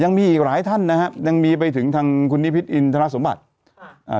ยังมีอีกหลายท่านนะฮะยังมีไปถึงทางคุณนิพิษอินทรสมบัติค่ะอ่า